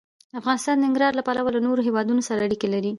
افغانستان د ننګرهار له پلوه له نورو هېوادونو سره اړیکې لري.